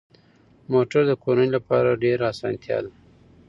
موټر د کورنۍ لپاره ډېره اسانتیا ده.